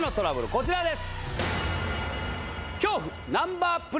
こちらです！